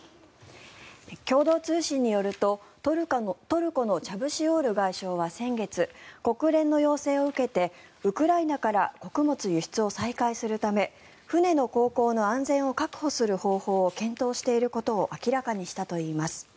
共同通信によるとトルコのチャブシオール外相は先月国連の要請を受けてウクライナから穀物輸出を再開するため船の航行の安全を確保する方法を検討していることを明らかにしたといいます。